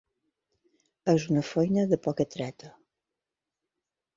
És una feina de poca treta.